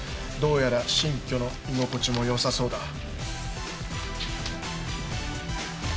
どうやら新居の居心地も良さそうだ。